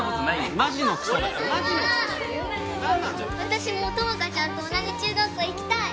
ママ私も友果ちゃんと同じ中学校行きたい！